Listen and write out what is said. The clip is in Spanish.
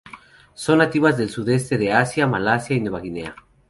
Son nativas del sudeste de Asia, Malasia y Nueva Guinea.